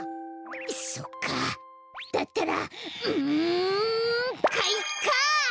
そっかあだったらうん！かいか！